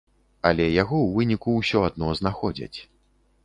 Але яго ў выніку ўсё адно знаходзяць.